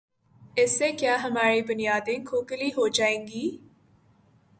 اس سے کیا ہماری بنیادیں کھوکھلی ہو جائیں گی؟